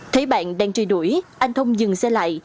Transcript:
thấy bạn đang chơi đuổi anh thông dừng xe lại